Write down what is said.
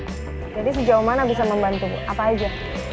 jadi sejauh mana bisa membantu apa saja